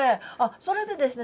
それでですね